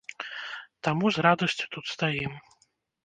Таму з радасцю тут стаім.